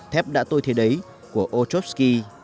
thép đã tôi thế đấy của ochobsky